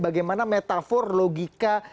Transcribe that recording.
bagaimana metafor logika